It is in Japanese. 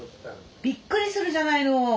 びっくりするじゃないの！